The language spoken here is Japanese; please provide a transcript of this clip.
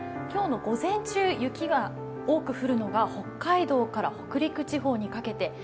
今日の午前中、雪が多く降るのが北海道から北陸地方にかけて。